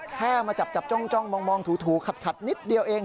แค่มาจับจ้องมองถูขัดนิดเดียวเอง